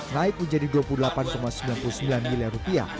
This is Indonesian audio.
naik menjadi rp dua puluh delapan sembilan puluh sembilan miliar